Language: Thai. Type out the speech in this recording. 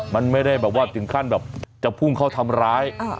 มันไม่ได้แบบว่าถึงขั้นแบบจะพุ่งเข้าทำร้าย